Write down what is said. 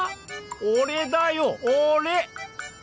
俺だよ俺！